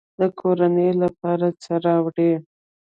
د کورنۍ لپاره څه راوړئ؟